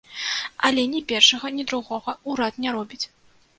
Але ні першага, ні другога ўрад не робіць.